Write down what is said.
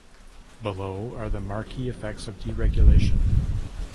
Below are the marquee effects of deregulation.